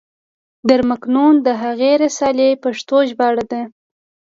در مکنون د هغې رسالې پښتو ژباړه ده.